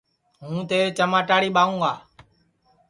ہوں تیرے چماٹاڑی ٻائوگا